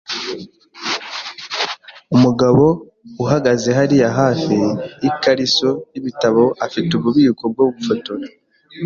Umugabo uhagaze hariya hafi yikariso yibitabo afite ububiko bwo gufotora.